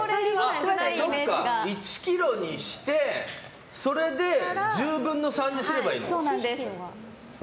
１ｋｇにしてそれで１０分の３にすればいいの。